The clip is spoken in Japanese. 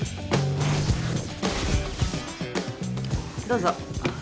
どうぞ。